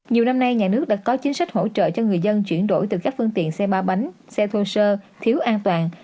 nhưng mà này thì cái đó là gây coi như tai nạn